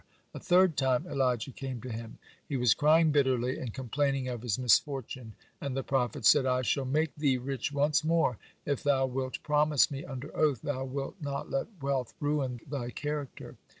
A third time Elijah came to him. He was crying bitterly and complaining of his misfortune, and the prophet said: "I shall make thee rich once more, if thou wilt promise me under oath thou wilt not let wealth ruin they character."